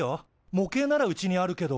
模型ならうちにあるけど。